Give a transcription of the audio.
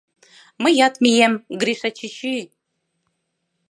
— Мыят мием, Гриша чӱчӱ?